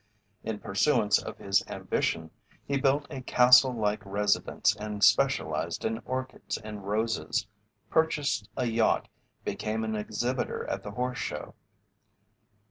In pursuance of his ambition he built a castle like residence and specialized in orchids and roses, purchased a yacht, became an exhibitor at the Horse Show.